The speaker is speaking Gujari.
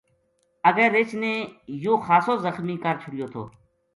اگے رچھ نے یو خاصو زخمی کر چھڑیو تھو